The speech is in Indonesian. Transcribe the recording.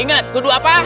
ingat tuduh apa